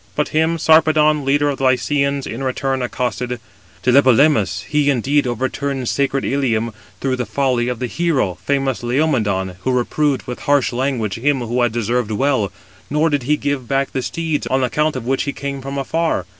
But him Sarpedon, leader of the Lycians, in return accosted: "Tlepolemus, he indeed overturned sacred Ilium, through the folly of the hero, famous Laomedon, who reproved with harsh language him who had deserved well, nor did he give back the steeds, on account of which he came from afar.